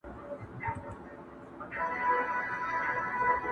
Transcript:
چي د بخت ستوری مو کله و ځلېږې,